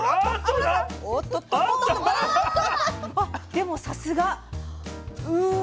でもさすが！うわ！